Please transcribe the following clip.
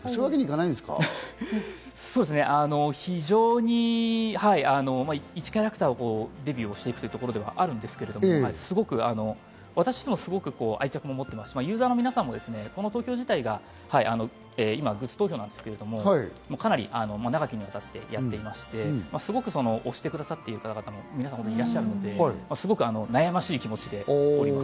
いちキャラクターがデビューしていくというところではあるんですけど、私ども、愛着を持ってますし、ユーザーの皆さん、今、グッズ投票ですけれども、かなり長きにわたってやっていまして、すごく推してくださっている方々がいらっしゃるので、すごく悩ましい気持ちでおります。